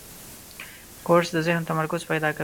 کورس د ذهن تمرکز پیدا کوي.